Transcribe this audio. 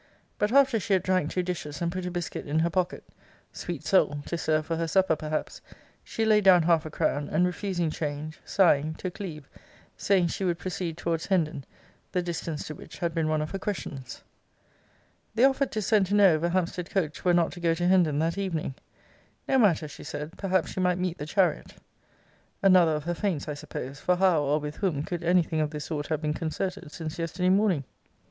But after she had drank two dishes, and put a biscuit in her pocket, [sweet soul! to serve for her supper, perhaps,] she laid down half a crown; and refusing change, sighing, took leave, saying she would proceed towards Hendon; the distance to which had been one of her questions. 'They offered to send to know if a Hampstead coach were not to go to Hendon that evening. 'No matter, she said perhaps she might meet the chariot.' Another of her feints, I suppose: for how, or with whom, could any thing of this sort have been concerted since yesterday morning?